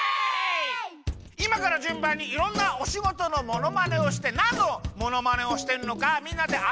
いまからじゅんばんにいろんなおしごとのものまねをしてなんのものまねをしてるのかみんなであてっこするゲームです。